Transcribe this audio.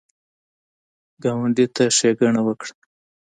ګاونډي ته ښېګڼه وکړه